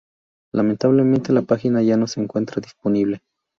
Lamentablemente la pagina ya no se encuentra disponible.